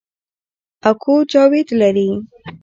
اکو جاوید لري